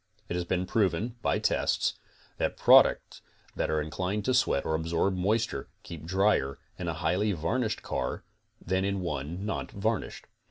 It has been proven, by tests, that products that are inclined to sweat or absorb moisture, keep drier in a highly varnished car than in one not varnished.